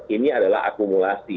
ini adalah akumulasi